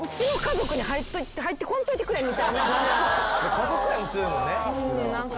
家族愛強いもんね。